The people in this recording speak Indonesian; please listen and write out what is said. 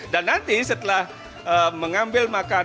dan nanti setelah mengambil makanan